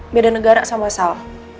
beda negara sama sal